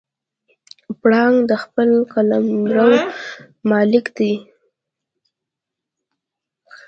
پړانګ د خپل قلمرو مالک دی.